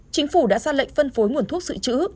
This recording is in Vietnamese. chính phủ đã ra lệnh phân phối nguồn thuốc sự chữ